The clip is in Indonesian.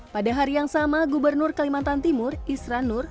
pada hari yang sama gubernur kalimantan timur isran nur